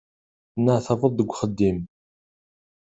Tenneɛtabeḍ deg uxeddim.